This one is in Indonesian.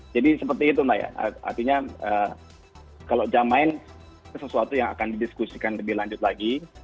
jadi seperti itu mbak ya artinya kalau jam main itu sesuatu yang akan didiskusikan lebih lanjut lagi